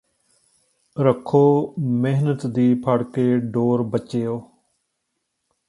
ਰੱਖੋ ਮਿਹਨਤ ਦੀ ਫੜਕੇ ਡੋਰ ਬੱਚਿਓ